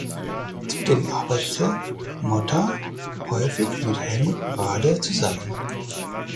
Zudem arbeitete Motta häufig mit Helmut Brade zusammen.